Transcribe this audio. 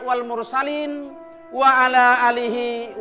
waalaikumsalam warahmatullah wabarakatuh